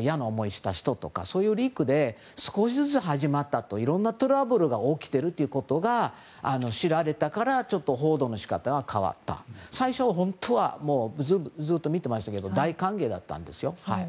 嫌な思いした人とかそういうリークで少しずつ始まったといろんなトラブルが起きたと知られたことで報道が変わった、最初は本当はずっと見てましたけど大歓迎だったんですよ。